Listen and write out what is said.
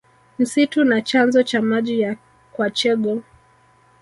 Msitu na chanzo cha maji ya kwachegho